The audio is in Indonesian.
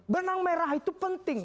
benang merah itu penting